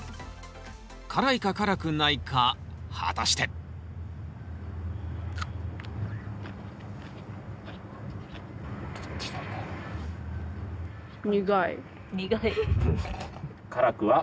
辛いか辛くないか果たして苦い？